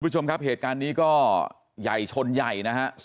คุณผู้ชมครับเหตุการณ์นี้ก็ใหญ่ชนใหญ่นะฮะ